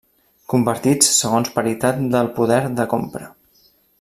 Convertits segons paritat del poder de compra.